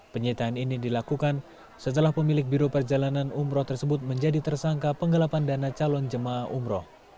penyitaan ini dilakukan setelah pemilik biro perjalanan umroh tersebut menjadi tersangka penggelapan dana calon jemaah umroh